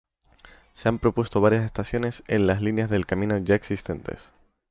Se han propuesto varias estaciones en las líneas del camino ya existentes.